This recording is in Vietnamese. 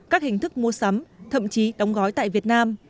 các hình thức mua sắm thậm chí đóng gói tại việt nam